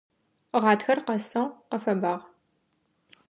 Гъатхэр къэсыгъ, къэфэбагъ.